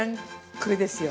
これですよ。